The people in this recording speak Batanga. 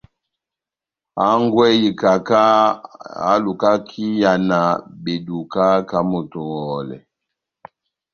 Hangwɛ y'ikaka ehálukaka iyàna beduka ká moto oŋòhòlɛ.